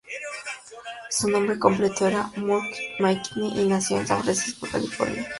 Su nombre completo era Murdock J. Macquarie, y nació en San Francisco, California.